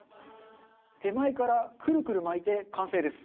手前からクルクル巻いて完成です。